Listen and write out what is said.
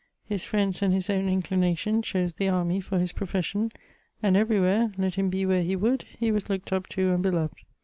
His friends and his own inclination chose the army for his profession, and everywhere, let him be where he would, he was looked up to and beloved.